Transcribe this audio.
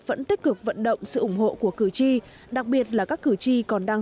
vẫn tích cực vận động sự ủng hộ của cử tri đặc biệt là các cử tri còn đang